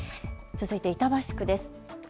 続いて板橋区です。